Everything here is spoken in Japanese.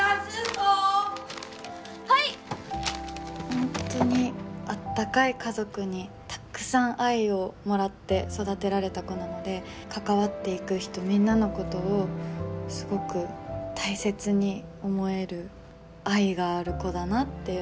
本当にあったかい家族にたっくさん愛をもらって育てられた子なので関わっていく人みんなのことをすごく大切に思える愛がある子だなっていうのはすごく感じてます。